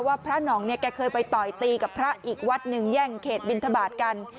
พระหน่องเนี่ยแกเคยไปต่อยตีกับพระอีกวัดหนึ่งแย่งเขตบินทบาทกัน